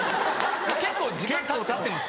結構時間たってます。